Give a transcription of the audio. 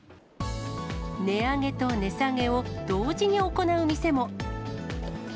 値上げと値下げを同時に行う店も。